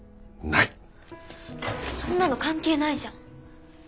そんなの関係ないじゃん。